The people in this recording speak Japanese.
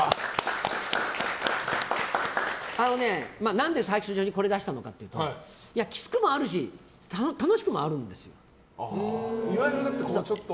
何で最初に×を出したかというときつくもあるし楽しくもあるんですよ。